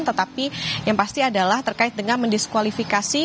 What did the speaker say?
tetapi yang pasti adalah terkait dengan mendiskualifikasi